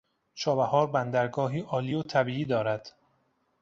چابهار بندرگاهی عالی و طبیعی دارد.